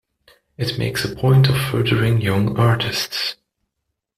It makes a point of furthering young artists.